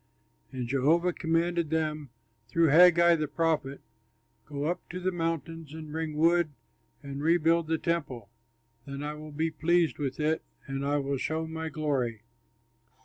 And Jehovah commanded them, through Haggai, the prophet, "Go up to the mountains and bring wood and rebuild the temple, then I will be pleased with it and I will show my glory."